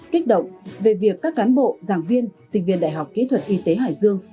kích động về việc các cán bộ giảng viên sinh viên đại học kỹ thuật y tế hải dương